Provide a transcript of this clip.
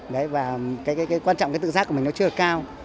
và cái quan trọng cái tự giác của mình nó chưa được cao